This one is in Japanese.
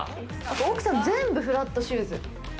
奥さん、全部フラットシューズ。